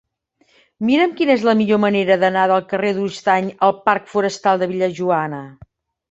Mira'm quina és la millor manera d'anar del carrer d'Oristany al parc Forestal de Vil·lajoana.